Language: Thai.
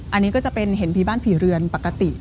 อันนี้ก็จะเป็นเห็นผีบ้านผีเรือนปกติ